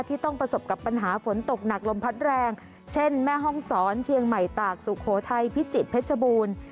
ต้องประสบกับปัญหาฝนตกหนักลมพัดแรงเช่นแม่ห้องศรเชียงใหม่ตากสุโขทัยพิจิตรเพชรบูรณ์